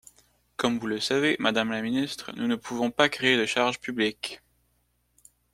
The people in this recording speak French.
Comme vous le savez, madame la ministre, nous ne pouvons pas créer de charge publique.